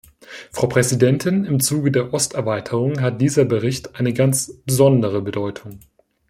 Frau Präsidentin, im Zuge der Osterweiterung hat dieser Bericht eine ganz besondere Bedeutung.